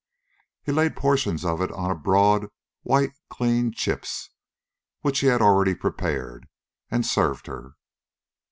He laid portions of it on broad, white, clean chips which he had already prepared, and served her.